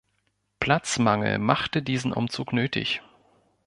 Platzmangel machte diesen Umzug nötig.